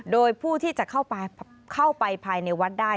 โดยผู้ที่จะเข้าไปภายในวัดได้